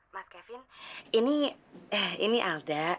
mas kevin ini ini alda